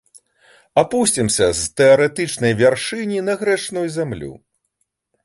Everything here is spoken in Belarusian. Апусцімся з тэарэтычнай вяршыні на грэшную зямлю.